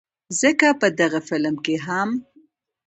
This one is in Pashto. ځکه په دغه فلم کښې هم